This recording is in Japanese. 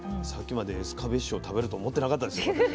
さっきまでエスカベッシュを食べると思ってなかったですよ